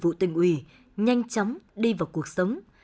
tổ chức thực vụ tình ủy nhanh chóng đi vào cuộc sống